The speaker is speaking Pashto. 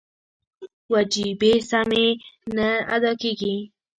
وجیبې سمې نه ادا کېږي.